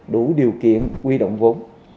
đủ điều kiện quy đồng vốn